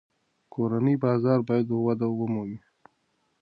کورني بازار باید وده ومومي.